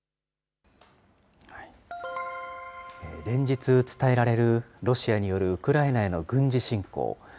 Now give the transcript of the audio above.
連日、伝えられるロシアによるウクライナへの軍事侵攻。